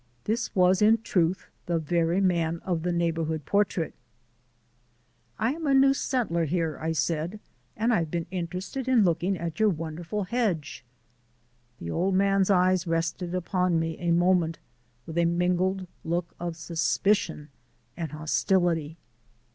This was in truth the very man of the neighbourhood portrait. "I am a new settler here," I said, "and I've been interested in looking at your wonderful hedge." The old man's eyes rested upon me a moment with a mingled look of suspicion and hostility.